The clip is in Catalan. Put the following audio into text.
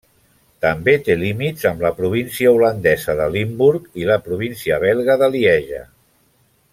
També té límits amb la província holandesa de Limburg i la província belga de Lieja.